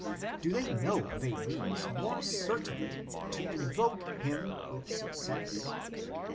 Do they know of a means more certain o invoke Him with success